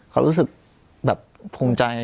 เขารู้สึกแบบภูมิใจ